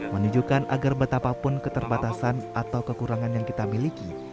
menunjukkan agar betapapun keterbatasan atau kekurangan yang kita miliki